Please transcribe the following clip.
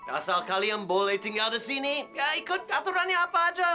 asal kalian boleh tinggal di sini gak ikut aturannya apa ada